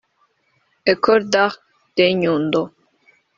Ecole d’arts de Nyundo